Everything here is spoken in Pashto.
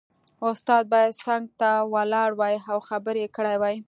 استاد باید څنګ ته ولاړ وای او خبرې یې کړې وای